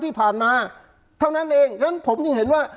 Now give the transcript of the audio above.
ที่ผ่านมาเท่านั้นเองฉะนั้นผมยังเห็นว่า